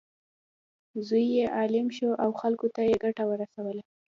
زوی یې عالم شو او خلکو ته یې ګټه ورسوله.